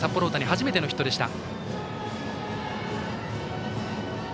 初めてのヒットでした。